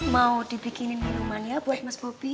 mau dibikinin minuman ya buat mas bobby